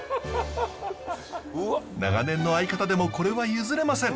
長年の相方でもこれは譲れません。